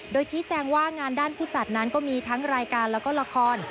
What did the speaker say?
โดยชี้แจงว่างานด้านผู้จัดนั้นก็มีทั้งรายการแล้วก็ละคร